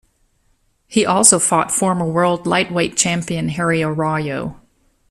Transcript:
He also fought former World Lightweight Champion Harry Arroyo.